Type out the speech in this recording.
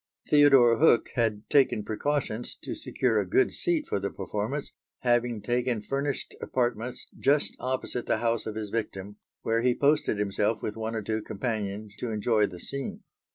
Theodore Hook had taken precautions to secure a good seat for the performance, having taken furnished apartments just opposite the house of his victim, where he posted himself with one or two companions to enjoy the scene.